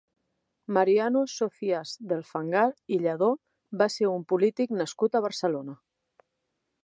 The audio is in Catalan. Mariano Socías del Fangar i Lledó va ser un polític nascut a Barcelona.